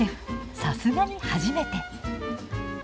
さすがに初めて。